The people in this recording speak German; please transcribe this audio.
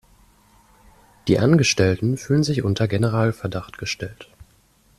Die Angestellten fühlen sich unter Generalverdacht gestellt.